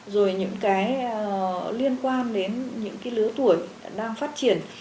rồi những cái liên quan đến những cái lứa tuổi đang phát triển